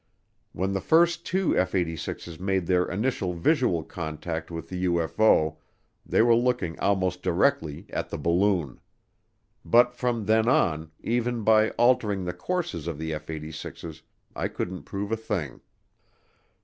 When the first two F 86's made their initial visual contact with the UFO they were looking almost directly at the balloon. But from then on, even by altering the courses of the F 86's, I couldn't prove a thing.